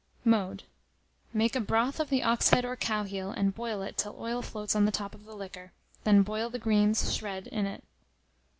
Mode. Make a broth of the ox head or cow heel, and boil it till oil floats on the top of the liquor, then boil the greens, shred, in it.